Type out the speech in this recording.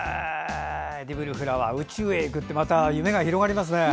エディブルフラワー宇宙へ行くってまた夢が広がりますね。